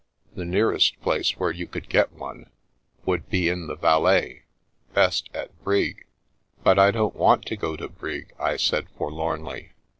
The nearest place where you could get one would be in the Valais — best at Brig." " But I don't want to go to Brig," I said forlornly.